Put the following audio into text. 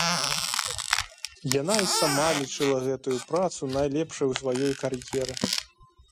Яна і сама лічыла гэтую працу найлепшай у сваёй кар'еры.